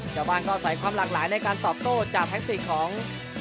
ชาวบ้านก็ใส่ความหลากหลายในการตอบโต้จากแท็กติกของ